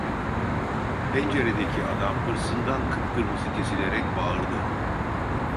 Penceredeki adam hırsından kıpkırmızı kesilerek bağırdı: